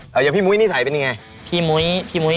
อย่างพี่มุ้ยนิสัยเป็นอย่างไร